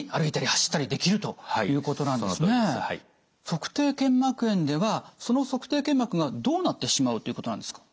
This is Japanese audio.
足底腱膜炎ではその足底腱膜がどうなってしまうということなんですか？